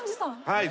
はい。